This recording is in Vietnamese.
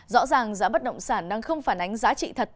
rõ ràng giá bất động sản đang không phản ánh giá trị thật